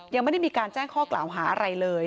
ยังไม่ได้มีการแจ้งข้อกล่าวหาอะไรเลย